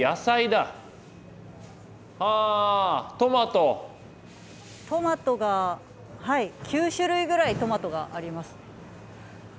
トマトが９種類ぐらいトマトがあります。